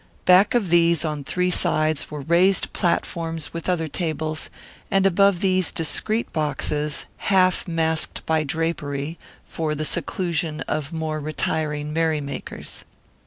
Back of these on three sides were raised platforms with other tables, and above these discreet boxes, half masked by drapery, for the seclusion of more retiring merry makers.